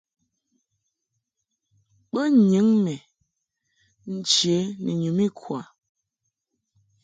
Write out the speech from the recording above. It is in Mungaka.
Bo nyɨŋ mɛ nche ni nyum ikwa.